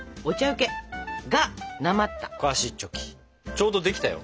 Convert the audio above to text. ちょうどできたよ。